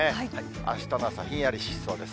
あしたの朝、ひんやりしそうです。